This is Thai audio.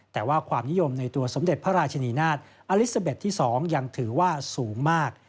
แต่ว่าความนิยมในตัวสมเด็จพระราชนีนาฏอลิซาเบ็ดที่๒ยังถือว่าสูงมาก